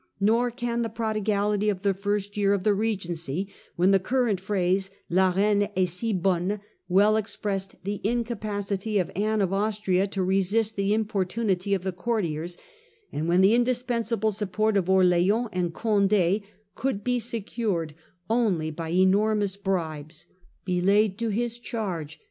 Nor can the prodigality of the first year of the regency, when the current phrase, ' La Reine est si bonne 1 well expressed the incapacity of Anne of Aus tria to resist the importunity of the courtiers, and when the indispensable support of Orleans and Conde could be secured only by enormous bribes, be laid to his charge.